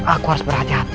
aku harus berhati hati